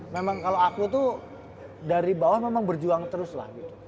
memang kalau aku tuh dari bawah memang berjuang terus lah gitu